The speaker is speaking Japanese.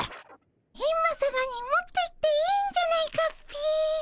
エンマさまに持っていっていいんじゃないかっピ。